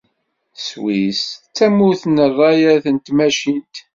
Sswis d tamurt n rrayat n tmacint.